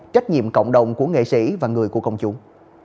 trách nhiệm cộng đồng của nghệ sĩ và người của công chúng